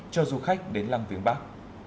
cho du khách đến lăng viếng bắc